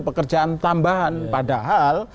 pekerjaan tambahan padahal